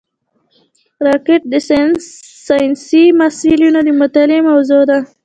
راکټ د ساینسي محصلینو د مطالعې موضوع ده